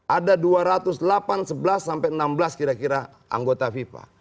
ada dua ratus delapan sebelas sampai enam belas kira kira anggota fifa